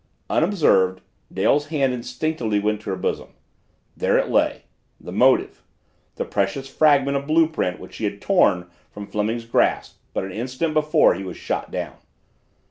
Unobserved, Dale's hand instinctively went to her bosom. There it lay the motive the precious fragment of blue print which she had torn from Fleming's grasp but an instant before he was shot down.